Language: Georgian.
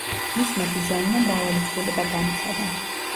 მისმა დიზაინმა მრავალი ცვლილება განიცადა.